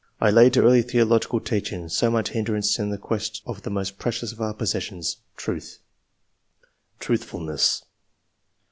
I lay to early theological teaching so much hindrance in the quest of the most precious of our possessions — truth." TRUTHFULNESS.